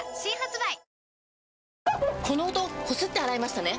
この音こすって洗いましたね？